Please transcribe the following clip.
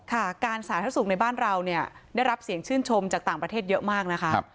การสาธารณสุขในบ้านเราเนี่ยได้รับเสียงชื่นชมจากต่างประเทศเยอะมากนะคะ